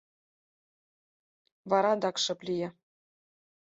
Вара адак шып лие.